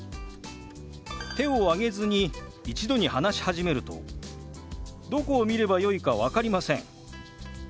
手を挙げずに一度に話し始めるとどこを見ればよいか分かりません。